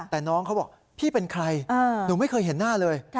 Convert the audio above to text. แต่น้องเขาบอกพี่เป็นใครหนูไม่เคยเห็นหน้าเลย